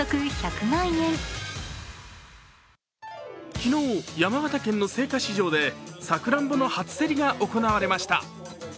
昨日、山形県の青果市場でさくらんぼの初競りが行われました。